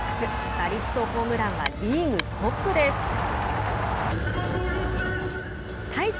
打率とホームランはリーグトップです。